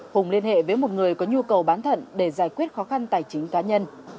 hùng liên hệ với một người có nhu cầu bán thận để giải quyết khó khăn tài chính cá nhân